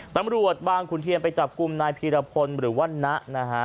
ตำรวจบางขุนเทียนไปจับกลุ่มนายพีรพลหรือว่านะนะฮะ